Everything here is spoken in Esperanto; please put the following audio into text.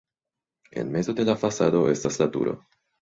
En mezo de la fasado estas la turo.